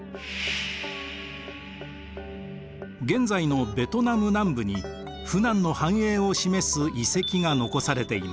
現在のベトナム南部に扶南の繁栄を示す遺跡が残されています。